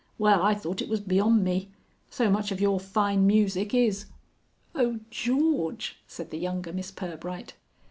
"Well I thought it was beyond me. So much of your fine music is " "Oh, George!" said the younger Miss Pirbright.